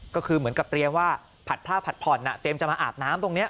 ก็คือเหมือนกับเตรียมว่าผัดผ้าผัดผ่อนเตรียมจะมาอาบน้ำตรงนี้